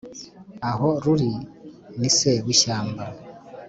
Aho ruri ni se w' ishyamba